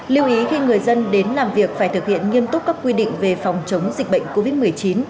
lưu ý khi người dân đến làm việc phải thực hiện nghiêm túc các quy định về phòng chống dịch bệnh covid một mươi chín